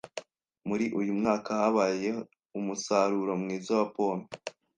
Muri uyu mwaka habaye umusaruro mwiza wa pome.